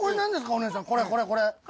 お姉さんこれこれこれ。